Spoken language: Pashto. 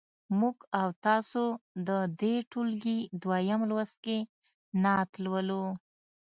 موږ او تاسو د دې ټولګي دویم لوست کې نعت لولو.